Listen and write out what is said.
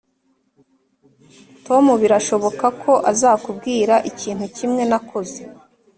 tom birashoboka ko azakubwira ikintu kimwe nakoze.